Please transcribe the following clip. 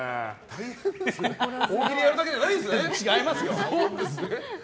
大喜利やるだけじゃないんですね。